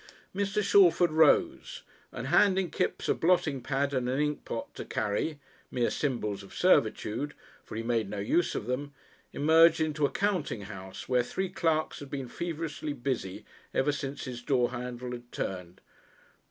Mr. Shalford rose, and handing Kipps a blotting pad and an inkpot to carry mere symbols of servitude, for he made no use of them emerged into a counting house where three clerks had been feverishly busy ever since his door handle had turned.